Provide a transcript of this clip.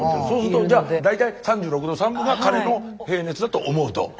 そうするとじゃあ大体３６度３分が彼の平熱だと思うと。